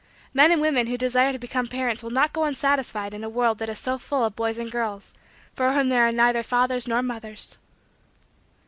Men and women who desire to become parents will not go unsatisfied in a world that is so full of boys and girls for whom there are neither fathers nor mothers.